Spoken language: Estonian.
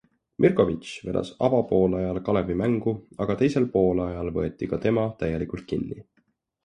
Mirkovic vedas avapoolajal Kalevi mängu, aga teisel poolajal võeti ka tema täielikult kinni.